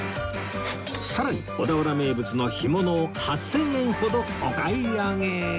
さらに小田原名物の干物を８０００円ほどお買い上げ！